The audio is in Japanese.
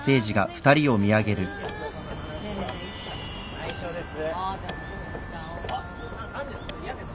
内緒です。